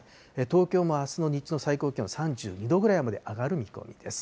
東京もあすの日中の最高気温３２度ぐらいまで上がる見込みです。